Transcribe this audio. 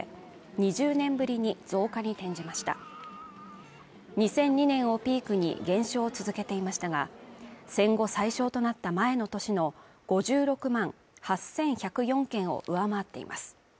２００２年をピークに減少を続けていましたが戦後最少となった前の年の５６万８１０４件を上回っています